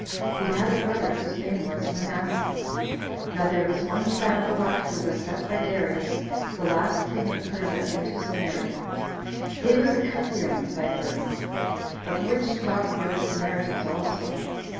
He had a brother, whose name was Manasseh. Now there was one Sanballat, who was sent by Darius, the last king [of Persia], into Samaria. He was a Cutheam by birth; of which stock were the Samaritans also.